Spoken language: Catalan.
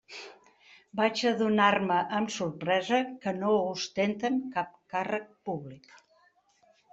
Vaig adonar-me amb sorpresa que no ostenten cap càrrec públic.